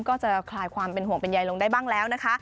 ก็จะคลายความเป็นห่วงเป็นใยลงได้บ้างแล้วนะคะ